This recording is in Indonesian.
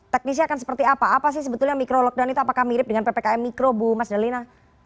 teknisnya akan seperti apa apa sih sebetulnya mikro lockdown itu apakah mirip dengan ppkm mikro bu mas dalina